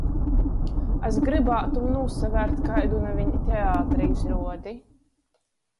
Es grybātum nūsavērt kaidu naviņ teatra izruodi.